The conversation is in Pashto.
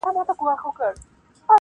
كه پر مځكه شيطانان وي او كه نه وي -